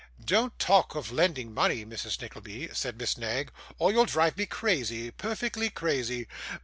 'Don't talk of lending money, Mrs. Nickleby,' said Miss Knag, 'or you'll drive me crazy, perfectly crazy.